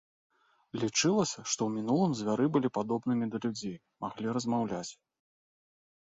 Лічылася, што ў мінулым звяры былі падобнымі на людзей, маглі размаўляць.